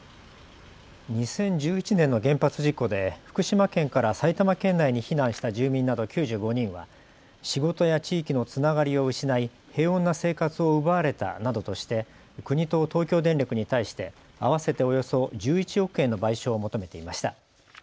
２０１１年の原発事故で福島県から埼玉県内に避難した住民など９５人は仕事や地域のつながりを失い平穏な生活を奪われたなどとして国と東京電力に対して合わせておよそ１１億円の賠償を求めていました。